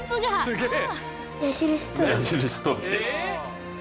すげえ。